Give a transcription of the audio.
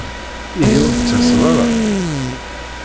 Ihi ur d-tettaseḍ ara?